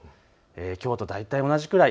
きょうと大体、同じくらい。